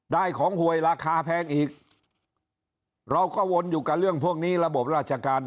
ของหวยราคาแพงอีกเราก็วนอยู่กับเรื่องพวกนี้ระบบราชการ